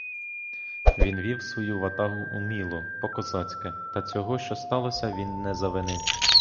Він вів свою ватагу уміло, по-козацьки, та цього, що сталося, він не завинив.